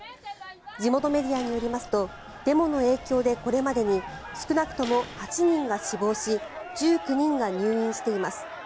地元メディアによりますとデモの影響で、これまでに少なくとも８人が死亡し１９人が入院しています。